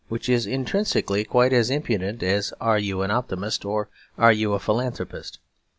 which is intrinsically quite as impudent as 'Are you an optimist?' or 'Are you a philanthropist?'